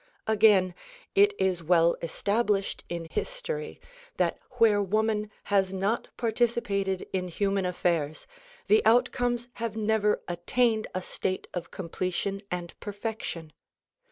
Again, it is well established in history that where woman has not participated in human affairs the outcomes have never attained a state of completion and perfection.